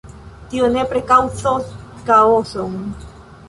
Tio nepre kaŭzos kaoson.